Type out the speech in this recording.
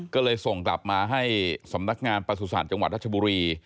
ก็เลยส่งกลับมาให้สำนักงานประสุทธิ์จังหวัดรัชบุรี